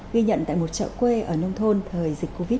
ghi nhận tại một chợ quê ở nông thôn thời dịch covid một mươi chín